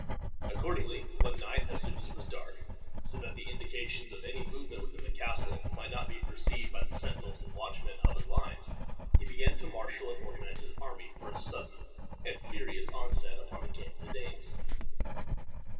Accordingly, one night, as soon as it was dark, so that the indications of any movement within the castle might not be perceived by the sentinels and watchmen in Hubba's lines, he began to marshal and organize his army for a sudden and furious onset upon the camp of the Danes.